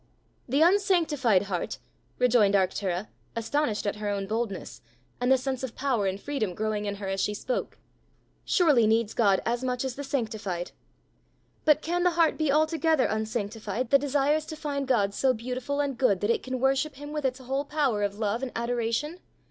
"The unsanctified heart," rejoined Arctura, astonished at her own boldness, and the sense of power and freedom growing in her as she spoke, "surely needs God as much as the sanctified! But can the heart be altogether unsanctified that desires to find God so beautiful and good that it can worship him with its whole power of love and adoration?